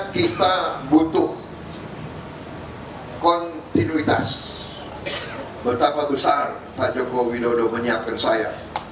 kita butuh kontinuitas betapa besar pak jokowi dodo menyiapkan saya